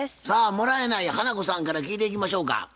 さあもらえない花子さんから聞いていきましょうか。